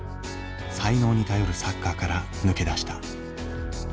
才能に頼るサッカーから抜け出した。